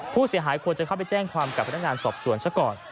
ผู้เสียหายควรจะเข้าไปแจ้งความกับพนักงานสอบสวนซะก่อน